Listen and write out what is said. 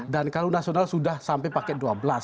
dan kalau nasional sudah sampai paket dua belas